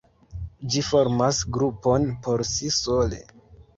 Ĝi formas grupon por si sole.